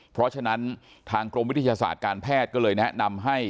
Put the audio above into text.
เพราะฉะนั้นทางกรมวิทยาศาสตร์การแพทย์ก็เลยแนะนำให้